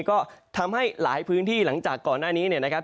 ก็ทำให้หลายพื้นที่หลังจากก่อนหน้านี้เนี่ยนะครับ